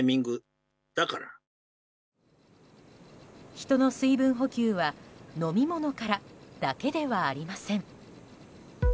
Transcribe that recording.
人の水分補給は飲み物からだけではありません。